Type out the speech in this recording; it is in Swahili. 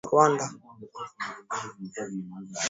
Wote hawa hutokea kikosi cha sitini na tano cha jeshi la Rwanda